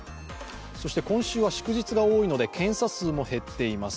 そして今週は祝日が多いので検査数も減っています。